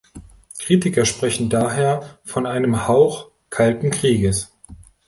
Kritiker sprechen daher von einem Hauch Kalten Krieges.